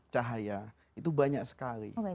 cahaya itu banyak sekali